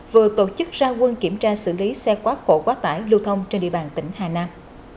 vừa tổ chức ra quân kiểm tra xử lý xe quá khổ quá tải lưu thông trên địa bàn tỉnh hà nam